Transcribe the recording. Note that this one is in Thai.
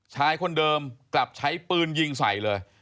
ชายคนเดิมกลับใช้ปืนยิงใส่เลย